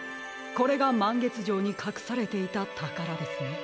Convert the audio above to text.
これがまんげつじょうにかくされていたたからですね。